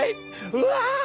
うわ！